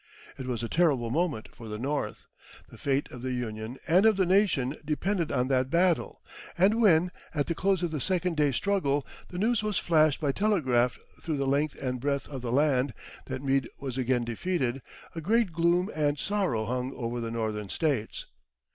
It was a terrible moment for the North. The fate of the Union and of the nation depended on that battle; and when, at the close of the second day's struggle, the news was flashed by telegraph through the length and breadth of the land, that Meade was again defeated, a great gloom and sorrow hung over the Northern States.